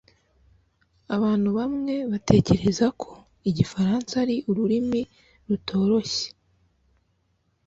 Abantu bamwe batekereza ko igifaransa ari ururimi rutoroshye